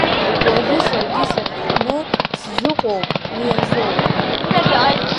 Уажәы саргьы сахьхәны сзыҟоу уи азоуп.